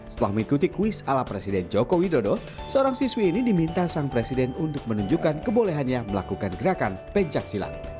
setelah mengikuti kuis ala presiden joko widodo seorang siswi ini diminta sang presiden untuk menunjukkan kebolehannya melakukan gerakan pencaksilat